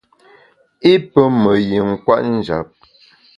I pe me yin kwet njap.